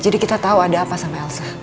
jadi kita tau ada apa sama elsa